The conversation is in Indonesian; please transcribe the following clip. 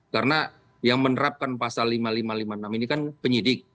karena yang menerapkan pasal lima ribu lima ratus lima puluh enam ini kan penyidik